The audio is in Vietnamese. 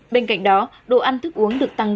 bên cạnh đó đồ ăn thức uống được tăng